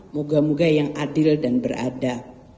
moga moga yang adil dan berada